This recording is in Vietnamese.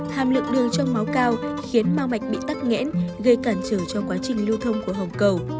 hàm lượng đường trong máu cao khiến mau mạch bị tắt nghẽn gây cản trở cho quá trình lưu thông của hồng cầu